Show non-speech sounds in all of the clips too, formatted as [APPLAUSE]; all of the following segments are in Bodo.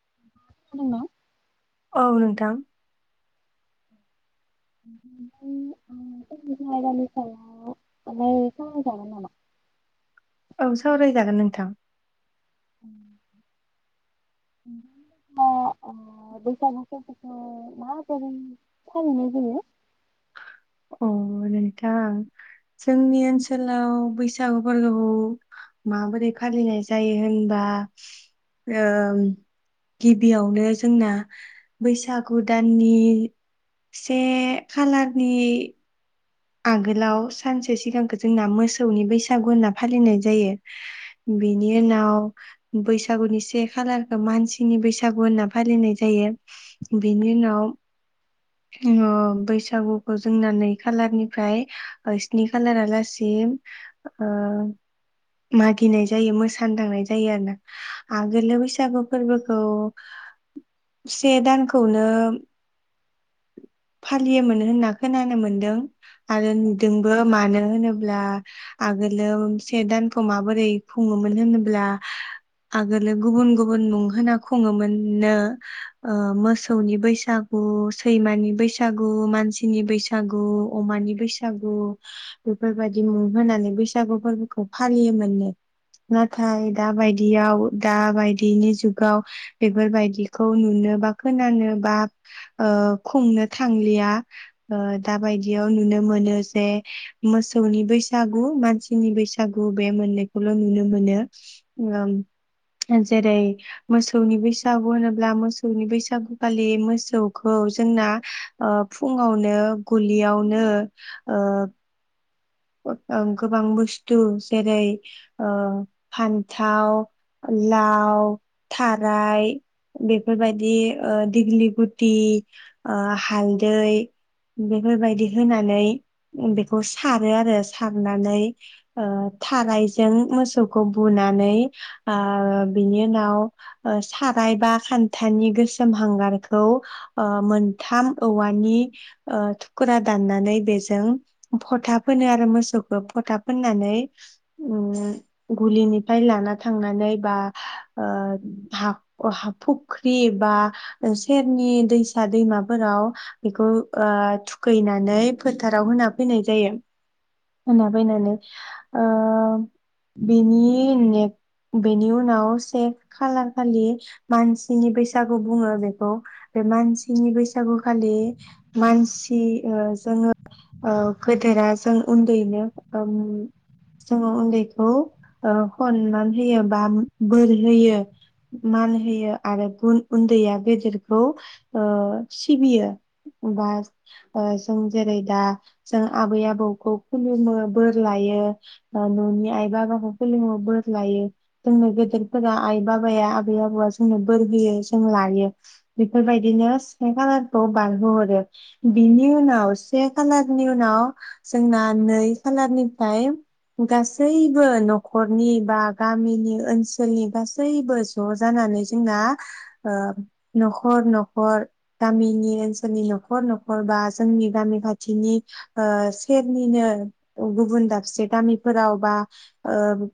[UNINTELLIGIBLE] औ नोंथां [UNINTELLIGIBLE] आयदानि सायाव रायलाय सावरायजागोन नामा? औ सावरायजागोन नोंथां अ बैसागु फोरबोखौ माबोरै फालिनाय जायो। अ नोंथां जोंनि ओनसोलाव बैसागु फोलोखौ माबोरै फालिनाय जायो होनबा ओम गिबियावनो जोंना बैसागु दाननि से खालारनि आगोलाव सानसे सिगांखो जोंना मोसौनि बैसागु होनना फालिनाय जायो। बेनि उनाव बैसागुनि से खालारखो मानसिनि बैसागु होनना फालिनाय जायो बेनि उनाव ङ बैसागुखौ जोंना नै खालारनि फ्राय ओ स्नि खालारालासिम ओ मागिनाय जायो मोसानो थांनाय जायो आरो ना आगोलो बैसागु फर्बोखौ से दानखौनो फालियोमोन होनना खोनानो मोनदों आरो औ नुदोंबो मानो होनो ब्ला आगोलो से दानखौ माबोरै खुङोमोन होनोब्ला आगोलो गुबुन गुबुन मुं होना खुङोमोननो ओ मोसौनि बैसागु सैमानि बै सागु मानसिनि बैसागु अमानि बैसागु बेफोरबायदि मुं होनानै बैसागु फोरबोखौ फालियोमोननो नाथाय दाबायदियाव दा बायदिनि जुगाव बेफोरबायदिखौ नुनो बा खोनानो बा ओ खुंनो थांलिया ओ दाबायदियाव नुनो मोनो जे मोसौनि बैसागु मानसिनि बैसागु बे मोनैखौल नुनो मोनो ओ जेरै मोसौनि बैसागु होनोब्ला मोसौनि बैसागुखालि मोसौखौ जोंना ओं फुङावनो गलियावनो ओ ओं गोबां बुस्थु जेरै ओ फान्थाव लाव थाराय बेफोरबायदि ओ दिग्लि गुटि ओ हालदै बेफोरबायदि होनानै बेखौ सार हो आरो सारनानै ओ थारायजों मोसौखौ बुनानै ओ बिनि उनाव ओ साराय बा खान्थानि गोसोम हांगारखौ ओ मोनथाम औवानि ओ थुखुरा दाननानै बेजों फथा फोनो आरो मोसौखौ फथाब फोननानै उम गुलिनिफ्राय लाना थांनानै बा ओ हां अ हा फुख्रि बा सेरनि दैसा दैमाफोराव बेखौ ओ थुखैनानै फोथाराव होना फैनाय जायो। होनना बैनानै ओ बेनि ने बेनि उनाव से खालार खालि मानसिनि बैसागु बुङो बेखौ बे मानसिनि बैसागु खालि मानसि ओ जोङो ओ गोदोरा जों उन्दैनो उम जोङो उन्दैखौ ओ खनमान होयो बा बोर होयो मान होयो आरो गुन उन्दैया गेदेरखौ ओ सिबियो बा ओ जों जेरै दा जों आबै-आबौ खौ खुलुमो बोर लायो ओ ननि आइ बाबाखौ खुलुमो बोर लायो जोंनो गदेरफोरा आइ बाबाया आबै-आबौआ जोंनो बोर होयो जों लायो बेफोरबायदिनो से खालारखौ बारहोहरो बिनि उनाव से खालारनि उनाव जोंना नै खालारनिफाय गासैबो नखरनि बा गामिनि ओनसोलनि गासैबो ज जानानै जोंना ओ नखर-नखर गामिनि ओनसोलनि नखर-नखर बा जोंनि गामि खाथिनि ओ सेरनिनो गुबुन दाबसे गामिफोराव बा ओ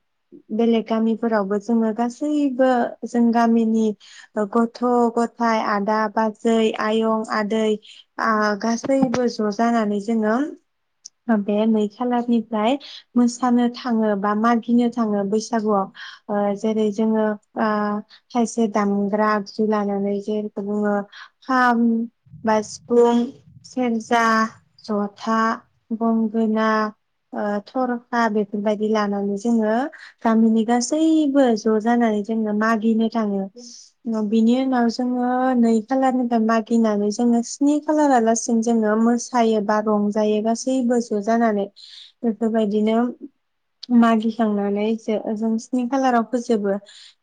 बेलेग गामिफोरावबो जोङो गासैबो जों गामिनि गथ गथाय आदा बाजै आयं आदै आ गासैबो ज जानानै जोङो। बे नै खालारनिफ्राय मोसानो थाङो बा मागिनो थाङो बैसागुआव ओ जेरै जोङो ओ खायसे दामग्रा आगजु लानानै जेखौ बुङो खाम बा सिफुं सेरजा ज'था गंगोना ओ थरखा बेफोरबायदि लानानै जोङो गामिनि गासैबो ज जानानै जोङो मागिनो थाङो बिनि उनाव जोङो नै खालारनिफ्राय मागिनानै जोङो स्नि खालारालासिनो जोङो मोसायो बा रंजायो गासै सैबो ज जानानै बेफोरबायदिनो मागिखांनानै जे जों स्नि खालाराव फोजोबो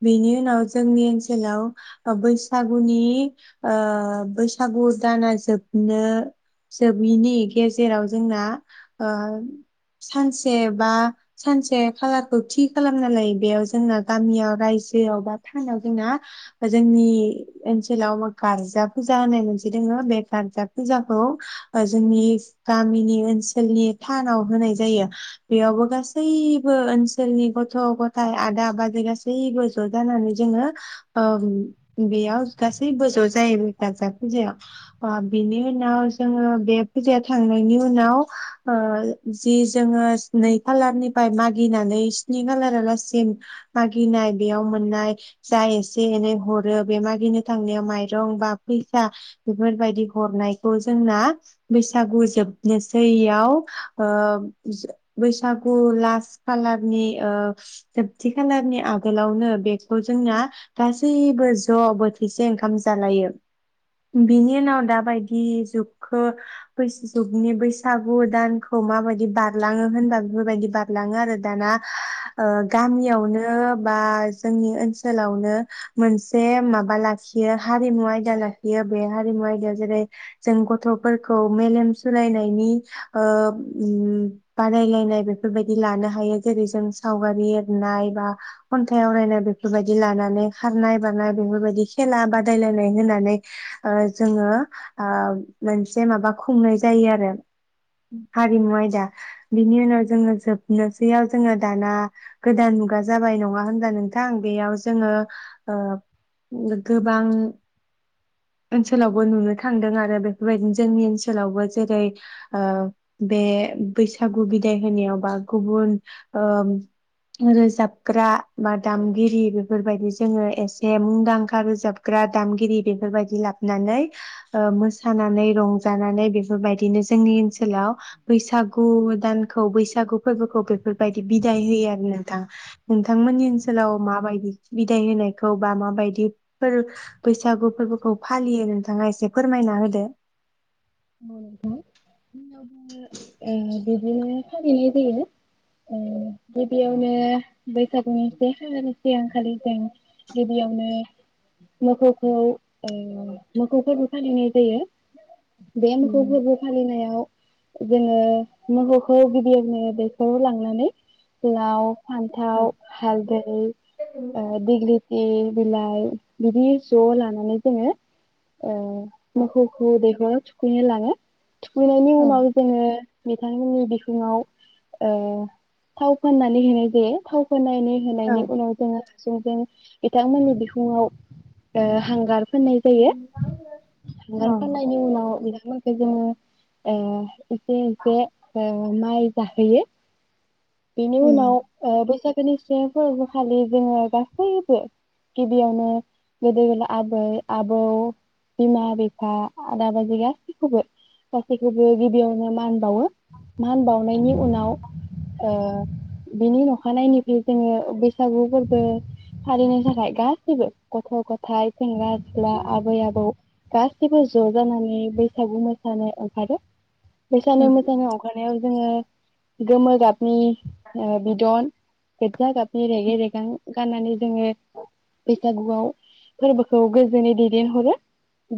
बेनि उनाव जोंनि ओनसोलाव ओ बैसागुनि ओ बैसागु दाना जोबनो जोबैनि गेजेराव जोंना ओ सानसे बा सानसे खालारखौ थि खालामना लायो बेयाव जोंना गामियाव रायजोआव बा थानायाव जोंना जोंनि ओनसोलाव गारजा फुजा होननाय मोनसे दङो बे गारजा फुजाखौ ओ जोंनि गामिनि ओनसोलनि थानाव होनाय जायो बेयावबो गासैबो ओनसोलनि गथ गथाय आदा बाजै गासैबो ज' जानानै जोङो ओ बेयाव गासैबो ज' जायो बे गार्जा फुजायाव ओ बिनि उनाव जोङो बे फुजाया थांनायनि उनाव ओ जि जोङो नै खालारनिफ्राय मागिनानै स्नि खालारालासिम मागिनाय बेयाव मोननाय जा एसे एनै हरो बे मागिनो थांनायाव माइरं बा फैसा बेफोरबायादि हरनायखौ जोंना बेसे बैसागु जोबनोसैयाव ओ बैसागु लास खालारनि ओ जोबथि खालारनि आगोलावनो बेखौ जोंना गासैबो ज बोथिसे ओंखाम जालायो बिनि उनाव दाबायदि जुखो बैस जुगनि बैसागु दानखौ माबायदि बारलाङो होनबा बेफोरबायदि बारलाङो आरो दाना। ओ गामियावनो बा जोंनि ओनसोलावनो मोनसे माबा लाखियो हारिमु आयदा लाखियो बे हारिमु आयदायाव जेरै जों गथ'फोरखौ मेलेम सोलायनायनि ओ उम बादायलायनाय बेफोरबायदि लानो हायो जेरै जों सावगारि एरनाय बा खन्थाइ आवरायनाय बेफोरबायदि लानानै खारनाय बारनाय बेफोरबायदि खेला बादायलायनाय होनानै ओ जोङो ओ मोनसे माबा खुंनाय जायो आरो हारिमु आयदा बिनि उनाव जोङो जोबनोसैयाव जोङो दाना गोदान मुगा जाबाय नङा होनब्ला नोंथां बेयाव जोङो ओ गोबां ओनसोलावबो नुनो थांदों आरो बेफोरबायदिनो जोंनि ओन सोलावबो जेरै ओ बे बैसागु बिदाय होनायाव बा गुबुन ओ रोजाबग्रा बा दामगिरि बेफोरबायदि जोङो एसे मुंदांखा रोजाबग्रा दामगिरि बेफोरबायदि लाबनानै ओ मोसानानै रं जानानै बेफोरबायदिनो जोंनि ओनसोलाव बैसागु दानखौ बैसागु फोरबोखौ बेफोरबायदि बिदाय होयो आरो नोंथाङा नोंथांमोननि ओनसोलाव माबायदि बिदाय होनायखौ बा माबायदिफोर बैसागु फोरबोखौ फालियो नोंथाङा एसे फोरमायना होदो। ओं। बिदिनो फालिनाय जायो ओ गिबियावनो बैसागुनि से खालारनि सिगांखालि जों गिबियावनो मोखौखौ ओ मोखौ फोरबो फालिनाय जायो। बे मोखौ फोरबो फालिनायाव जोङो मोखौखौ गिबियावनो दैखराव लांनानै लाव फान्थाव हालदै ओ दिग्लिथि बिलाइ बिदि ज' लानानै जोङो ओ औ मोखौखौ दैखराव थु खुइनो लाङो। थुखैनायनि उनाव औ जोङो बिथांमोननि बिखुङाव ओ थाव फोननानै होनाय जायो थाव फोननाय होनायनि उनाव जोङो जोंजों बिथांमोननि बिखुङाव ओ हांगार फोननाय जायो हांगार औ फोननायनि उनाव बिथांमोनखौ जोङो ओ एसे एसे माइ जाहोयो। बेनि उनाव ओ बैसाग गोनि से फोरबोखाालि जोङो गासैबो गिबियावनो गोदो गो आबै आबौ बिमा बिफा आदा बाजै गासैखौबो गासैखौबो गिबियावनो मान बावो मान बावनायनि उनाव ओ बिनि अखानायनिफ्राय जोङो बैसागु फोरबो फालिनो थाखाय गासैबो गथ' गथाइ सेंग्रा सिख्ला औ आबै आबौ गासैबो ज' जानानै बैसागु मोसानो ओंखारो। बैसागो मोसानो अंखारनायाव जोङो गोमो गाब नि ओ बिदन गोज्जा गाबनि रेगे रेगां गाननानै जोङो बैसागुआव फोरबोखौ गोजोनै दैदेनहरो।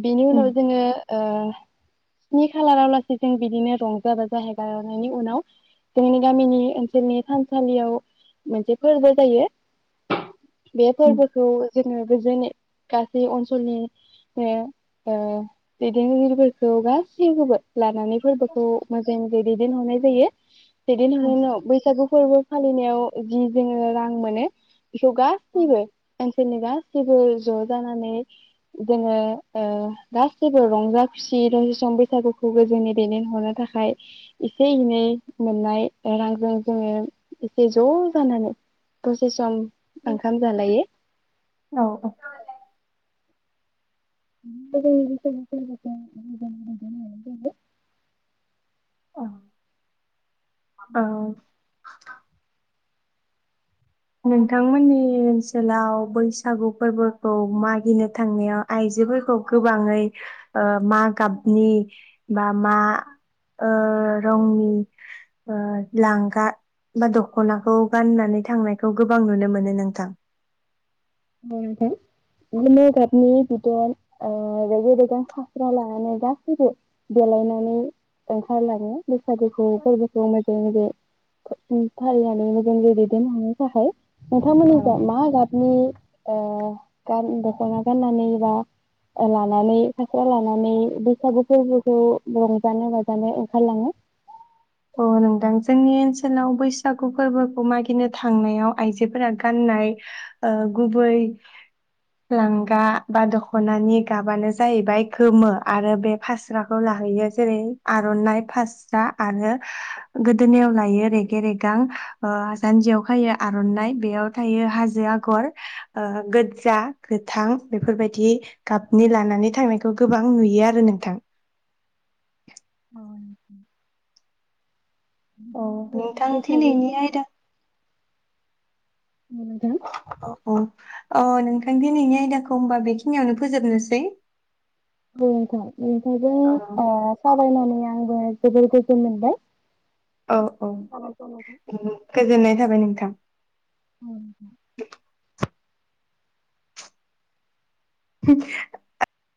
बिनि उनाव जोङो ओ स्नि खालाराव लासै जों बिदिनो रंजा बाजा हेगारनायनि उनाव जोंनि गामिनि ओनसोलनि थानसालियाव मोनसे फोरबो जायो। बे फोरबोखौ जोङो जेने गासै अनसलनि ओ ओ दैदेनगिरिफोरखौ गासैखौबो लानानै फोरबोखौ मोजाङै मोजाङै दैदेनहरनाय जायो। दैदेनहरनाय उनाव बैसागु फोरबो फालिनायाव जि जोजोंङो रां मोनो एखौ गासैबो जेनोबा जेबो ज' जानानै जोंङो ओ गासैबो रंजा खुसि रसं बैसागुखौबो जोंनि दैदेनहरनो थाखाय एसे एनै मोननाय रांजों जोंङो एसे ज' जानानै दसे सम ओंखाम जालायो। औ [UNINTELLIGIBLE] औ औ [UNINTELLIGIBLE] नोंथांमोननि ओनसोलाव बैसागु फोरबोखौ मागिनो थांनायाव आइजोफोरखौ गोबांङै ओ मा गाबनि बा मा रंनि लांगा बा दखनाखौ गाननानै थांनाय खौ गोबां नुनो मोनो नोंथां। औ नोंथां गोमो गाबनि बिदन ओ रगे-रेगां फास्रा लानानै गासैबो देलायनानै ओंखारलांङो बैसागुखौ फोरबोखौ मोजांङै फालिनानै मोजां दैदेनलांनो थाखाय। औ नोंथांमोननि जा मा गाब नि ओ गान दखना गाननानै बा लानानै फास्रा लानानै बैसागु फोरबोखौ रंजानो बाजानो ओंखारलांङो। अ नोंथां जोंनि ओनसोलाव बैसागु फोरबोखौ मागिनो थांनायाव आइजोफोरा गाननाय ओ गुबै लांगा बा दखनानि गाबानो जाहैबाय गोमो आरो बे फास्राखौ लाहैयो जेरै आरनाइ फास्रा आरो गोदोनायाव लायो रेगे-रेगां ओ जानजियाव खायो आरनाइ बेयाव थायो हाजो आगर ओ गोदजा गोथां बेफोरबायदि गाबनि लानानै थांनायखौ गोबां नुयो आरो नोंथां। औ नोथां औ बिदिनो नोंथां बेैसागु दिनैनि फोर आयदाखौ अ अ अ नोंथां दिनैनि आयदाखौ होमबा बेखिनियावनो फोजोबनोसै। बेनोथ'नोंथां जों औ ओ सावरायनानै आं बोर गोजोन मोनबाय। औ औ साबायखर नोंथां। गोजोननाय जाबाय नोंथां। अ नोंथां। [UNINTELLIGIBLE]